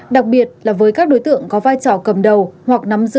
đặc biệt là với các đối tượng có vai trò cầm đầu hoặc nắm giữ